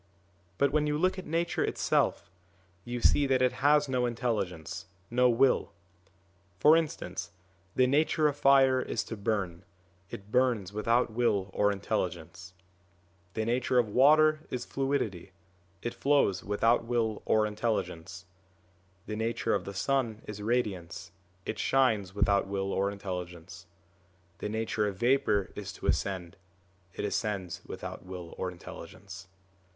But when you look at Nature itself, you see that it has no intelligence, no will. For instance, the nature of fire is to burn, it burns without will or intelligence ; the nature of water is fluidity, it flows without will or intelligence; the nature of the sun is radiance, it shines without will or intelligence ; the nature of vapour is to ascend, it ascends without will or intelligence.